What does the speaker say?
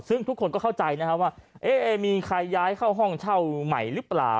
ซึ่งทุกคนก็เข้าใจนะครับว่ามีใครย้ายเข้าห้องเช่าใหม่หรือเปล่า